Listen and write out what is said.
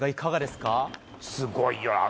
すごいわ。